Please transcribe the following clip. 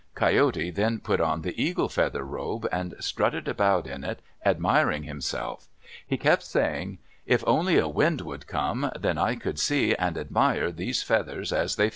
Coyote then put on the eagle feather robe and strutted about in it, admiring himself. He kept saying, "If only a wind would come, then I could see and admire these feathers as they fluttered."